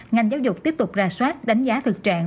ngành giáo dục tiếp tục ra soát đánh giá thực trạng